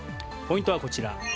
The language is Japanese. ポイントはこちら。